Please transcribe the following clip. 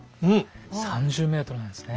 ３０ｍなんですね。